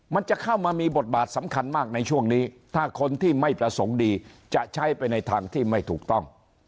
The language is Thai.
มันจะเข้ามามีบทบาทสำคัญมากในช่วงนี้ถ้าคนที่ไม่ประสงค์ดีจะใช้ไปในทางที่ไม่ถูกต้อง